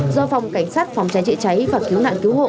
do phòng cảnh sát phòng trái trị cháy và cứu nạn cứu hộ